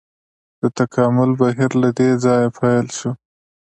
د تکامل بهیر له دې ځایه پیل شو.